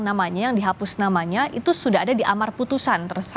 namanya yang dihapus namanya itu sudah ada di amar putusan